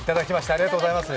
ありがとうございます。